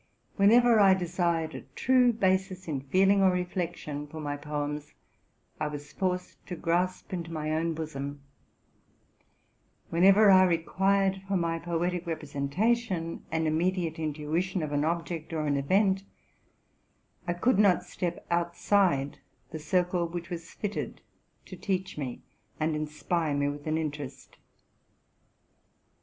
Whenever I desired a true basis in feeling or reflection for my poems, I was forced to grasp into my own bosom; whenever I required for my poetic representation an immediate intuition of an object or an event, I could not step outside the circle which was fitted to teach me, and inspire me with an interest.